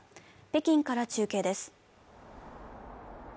北京から中継です。